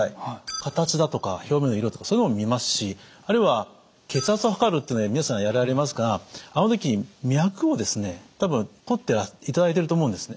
形だとか表面の色とかそういうのも見ますしあるいは血圧を測るってね皆さんやられますがあの時に脈を多分とっていただいてると思うんですね。